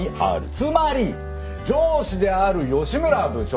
つまり上司である吉村部長の責任！